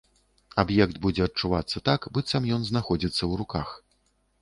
Аб'ект будзе адчувацца так, быццам ён знаходзіцца ў руках.